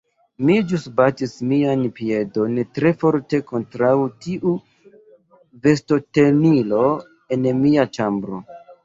Mi ĵus batis mian piedon tre forte kontraŭ tiu vestotenilo en mia ĉambro